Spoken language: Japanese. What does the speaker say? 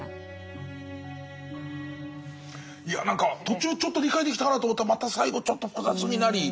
いやなんか途中ちょっと理解できたなと思ったらまた最後ちょっと複雑になり。